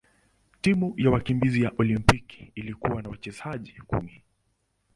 Timu ya wakimbizi ya Olimpiki ilikuwa na wachezaji kumi.